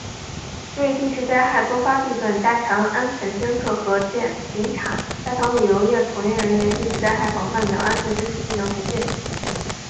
对地质灾害多发地段加强安全监测和巡查；加强旅游从业人员地质灾害防范等安全知识技能的培训